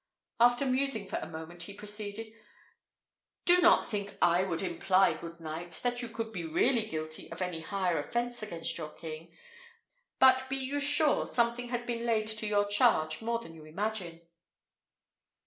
After musing for a moment, he proceeded: "Do not think I would imply, good knight, that you could be really guilty of any higher offence against your king; but be you sure something has been laid to your charge more than you imagine."